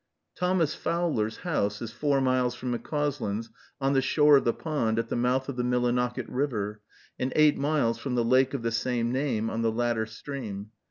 Thomas Fowler's house is four miles from McCauslin's, on the shore of the pond, at the mouth of the Millinocket River, and eight miles from the lake of the same name, on the latter stream.